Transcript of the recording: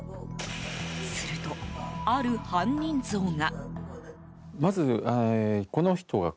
すると、ある犯人像が。